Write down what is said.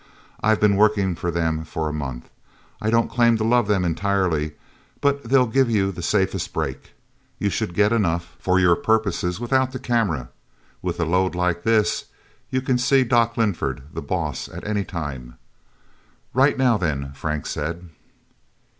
I've been working for them for a month. I don't claim to love them entirely, but they'll give you the safest break. You should get enough, for your purposes, without the camera. With a load like this, you can see Doc Linford, the boss, any time." "Right now, then," Frank said.